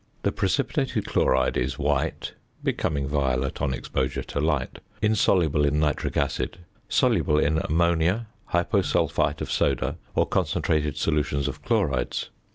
The precipitated chloride is white (becoming violet on exposure to light), insoluble in nitric acid, soluble in ammonia, hyposulphite of soda, or concentrated solutions of chlorides.